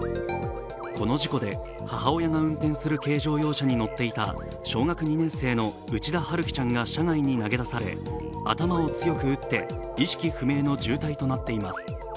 この事故で母親が運転する軽乗用車に乗っていた小学２年生の内田晴葵が車外に投げ出され頭を強く打って意識不明の重体となっています。